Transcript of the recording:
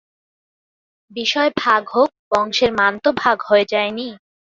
বিষয় ভাগ হোক, বংশের মান তো ভাগ হয়ে যায় নি।